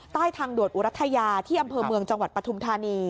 ใต้ทางด่วนอุรัฐยาที่อำเภอเมืองจังหวัดปฐุมธานี